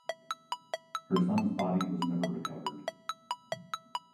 Her son's body was never recovered.